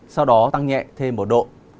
sau đó tăng nhẹ thêm một độ